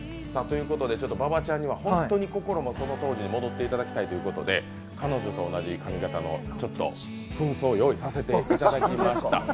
馬場ちゃんには本当に心もその当時に戻ってきたいということで彼女と同じ髪型のちょっとふん装を用意していただきました。